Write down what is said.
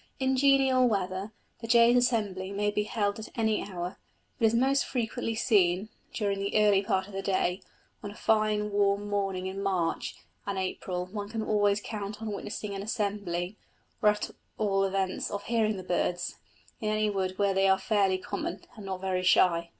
In genial weather the jays' assembly may be held at any hour, but is most frequently seen during the early part of the day: on a fine warm morning in March and April one can always count on witnessing an assembly, or at all events of hearing the birds, in any wood where they are fairly common and not very shy.